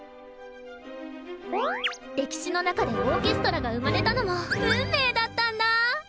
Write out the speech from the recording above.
歴史の中でオーケストラが生まれたのも運命だったんだ。